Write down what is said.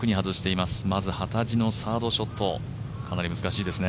まず幡地のサードショット、かなり難しいですね？